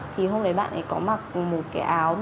thì hôm đấy bạn ấy có mặc một cái áo